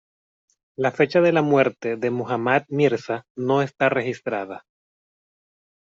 La fecha de la muerte de Muhammad Mirza no esta registrada.